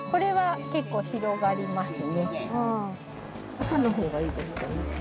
赤の方がいいですかね。